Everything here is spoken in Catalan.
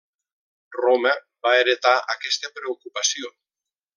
Roma va heretar aquesta preocupació.